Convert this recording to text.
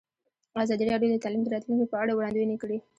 ازادي راډیو د تعلیم د راتلونکې په اړه وړاندوینې کړې.